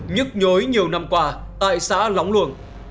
nhức nhối nhiều năm qua tại xã lóng luồng